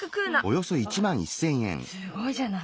あらすごいじゃない。